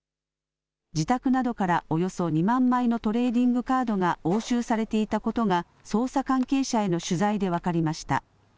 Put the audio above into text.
自宅などからおよそ２万枚のトレーディングカードが押収されていたことが、捜査関係者への取材で分かりました。